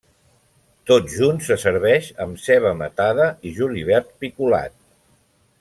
Tot junt se serveix amb ceba matada i julivert picolat.